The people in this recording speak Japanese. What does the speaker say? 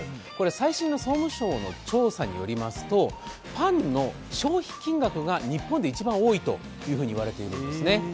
最新の総務省の調査によりますと、パンの消費金額が日本で一番多いといわれているんですね。